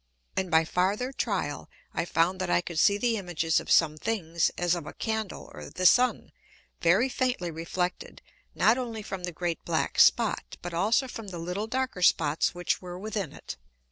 And by farther Tryal I found that I could see the Images of some things (as of a Candle or the Sun) very faintly reflected, not only from the great black Spot, but also from the little darker Spots which were within it.